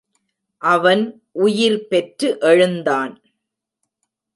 அவன் உயிர் பெற்று எழுந்தான்.